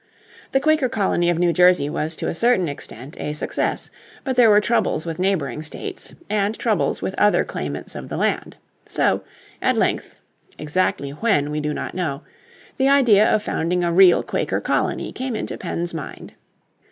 The Quaker colony of New Jersey was to a certain extent a success, but there were troubles with neighbouring states, and troubles with other claimants of the land. So at length (exactly when we do not know), the idea of founding a real Quaker colony came into Penn's mind.